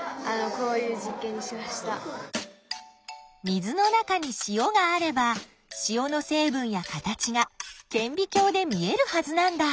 水の中に塩があれば塩の成分や形がけんび鏡で見えるはずなんだ。